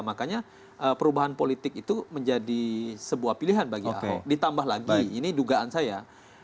makanya perubahan politik itu menjadi sebuah pilihan bagi ahok ditambah lagi ini dugaan saya